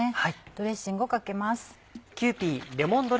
ドレッシングをかけます。